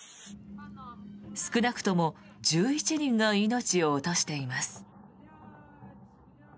少なくとも１１人が命を落としています。